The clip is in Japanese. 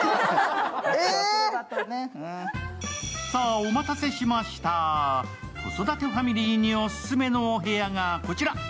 お待たせしました、子育てファミリーにオススメのお部屋がこちら！